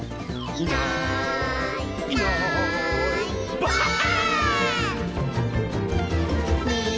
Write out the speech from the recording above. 「いないいないばあっ！」